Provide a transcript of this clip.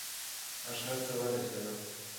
مشهد ته ورسېدم.